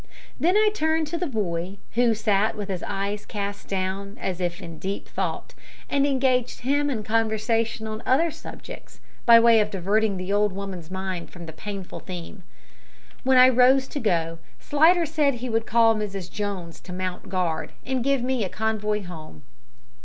Then I turned to the boy, who sat with his eyes cast down as if in deep thought, and engaged him in conversation on other subjects, by way of diverting the old woman's mind from the painful theme. When I rose to go, Slidder said he would call Mrs Jones to mount guard, and give me a convoy home.